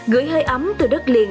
gửi hơi ấm từ đất liền